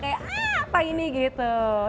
kayak apa ini gitu